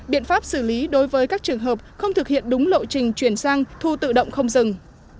biện pháp xử lý đối với các trường hợp không thực hiện đúng lộ trình chuyển sang thu tự động không dừng